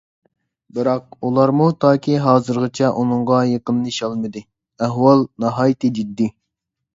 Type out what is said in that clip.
بىراق، ئۇلارمۇ تاكى ھازىرغىچە ئۇنىڭغا يېقىنلىشالمىدى. ئەھۋال ناھايىتى جىددىي.